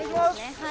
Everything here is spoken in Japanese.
はい。